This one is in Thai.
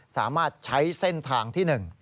สามารถใช้เส้นทางที่หนึ่ง